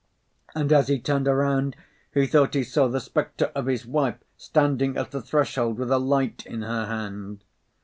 And as he turned around, he thought he saw the spectre of his wife standing at the threshold with a light in her hand.